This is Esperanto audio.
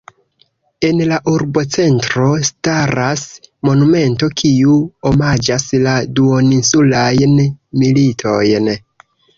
En la urbocentro staras monumento, kiu omaĝas la duoninsulajn militojn.